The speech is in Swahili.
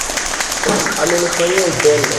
Amenifanyia upendo.